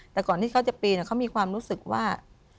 แต่ก่อนที่เขาจะปีนเขามีความรู้สึกว่า